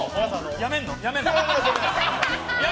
辞めるの？